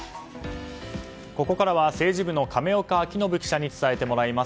ここからは、政治部の亀岡晃伸記者に伝えてもらいます。